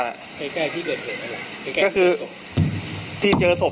นั้นระดับระยะภูมิจะแค่ที่เจอศพ